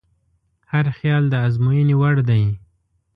هر خیال د ازموینې وړ دی.